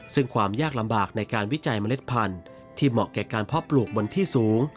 ซึ่งความยากลำบากในการวิจัยเมล็ดพันธุ์ที่เหมาะแก่การเพาะปลูกบนที่สูง